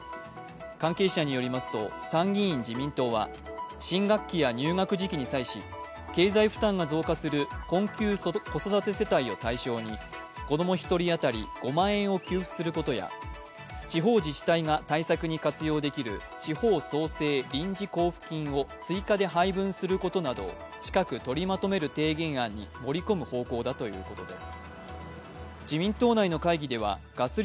関係者によりますと参議院自民党は新学期や入学時期に際し、経済負担が増加する困窮子育て世帯を対象に子供１人当たり５万円を給付することや地方自治体が対策に活用できる地方創生臨時交付金を追加で配分することなどを近くとりまとめる提言案に盛り込む方向だということです。